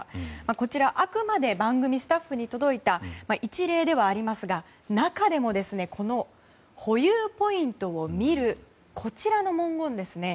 こちらは、あくまで番組スタッフに届いた一例ではありますが中でも「保有ポイントを見る」の文言ですね